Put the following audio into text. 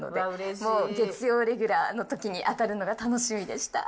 もう月曜レギュラーのときに当たるのが楽しみでした。